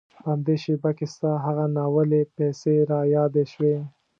په همدې شېبه کې ستا هغه ناولې پيسې را یادې شوې.